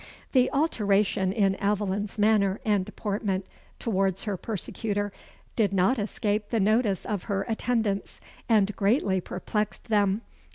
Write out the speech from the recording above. The alteration in Aveline's manner and deportment towards her persecutor, did not escape the notice of her attendants, and greatly perplexed them.